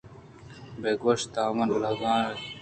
بِہ کش وتارا لاگ جان